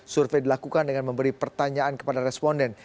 survei dilakukan dengan memberi pertanyaan kepada responden